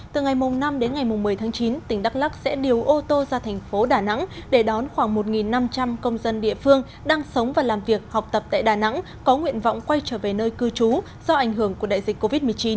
từ ngày năm đến ngày một mươi tháng chín tỉnh đắk lắc sẽ điều ô tô ra thành phố đà nẵng để đón khoảng một năm trăm linh công dân địa phương đang sống và làm việc học tập tại đà nẵng có nguyện vọng quay trở về nơi cư trú do ảnh hưởng của đại dịch covid một mươi chín